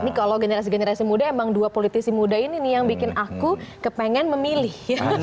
ini kalau generasi generasi muda emang dua politisi muda ini nih yang bikin aku kepengen memilih